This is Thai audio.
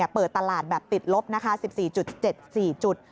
เปิดตลาดแบบติดลบ๑๔๗๔จุด